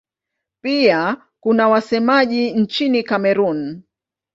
Pia kuna wasemaji nchini Kamerun.